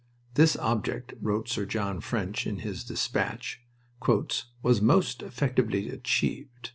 This object, wrote Sir John French, in his despatch, "was most effectively achieved."